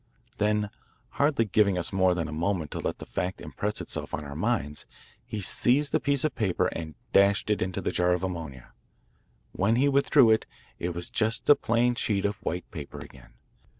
Then hardly giving us more than a moment to let the fact impress itself on our minds, he seized the piece of paper and dashed it into the jar of ammonia. When he withdrew it, it was just a plain sheet of white paper again.